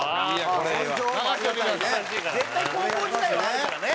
絶対高校時代はあるからね。